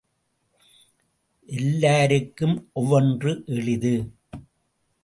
எல்லாருக்கும் ஒவ்வொன்று எளிது.